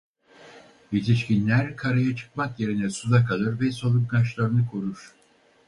Yetişkinler karaya çıkmak yerine suda kalır ve solungaçlarını korur.